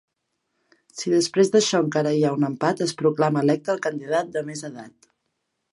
Si després d'això encara hi ha un empat, es proclama electe el candidat de més edat.